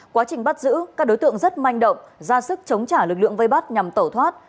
quá trình bắt giữ các đối tượng rất manh động ra sức chống trả lực lượng vây bắt nhằm tẩu thoát